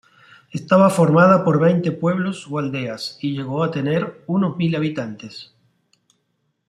Estaba formada por veinte pueblos o aldeas, y llegó a tener unos mil habitantes.